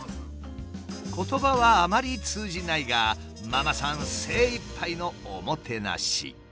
言葉はあまり通じないがママさん精いっぱいのおもてなし。